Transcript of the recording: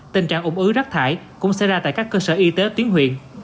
tình trạng ủng ứ rác thải cũng xảy ra tại các cơ sở y tế tuyến huyện